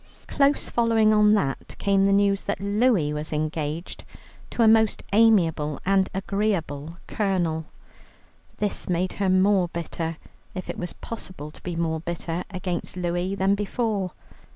Close following on that came the news that Louie was engaged to a most amiable and agreeable colonel. This made her more bitter, if it was possible to be more bitter, against Louie than before.